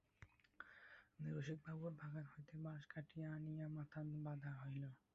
রসিকবাবুর বাগান হইতে বাঁশ কাটিয়া আনিয়া মাচা বাধা হইল।